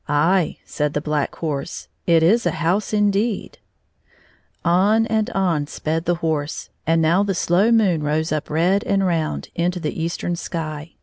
" Aye," said the Black Horse, " it is a house indeed !" On and on sped the horse, and now the slow moon rose up red and round into the eastern sky.